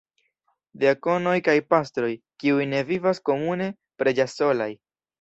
Diakonoj kaj pastroj, kiuj ne vivas komune, preĝas solaj.